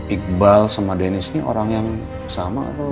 iqbal sama deniz ini orang yang sama atau